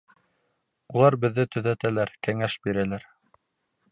Улар беҙҙе төҙәтәләр, кәңәш бирәләр.